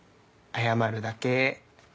謝るだけー。